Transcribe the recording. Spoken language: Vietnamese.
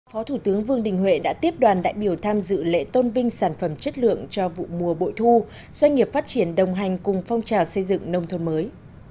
phó thủ tướng vương đình huệ đã tiếp đoàn đại biểu tham dự lễ tôn vinh sản phẩm chất lượng cho vụ mùa bội thu doanh nghiệp phát triển đồng hành cùng phong trào xây dựng nông thôn mới